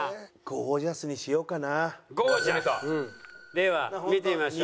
では見てみましょう。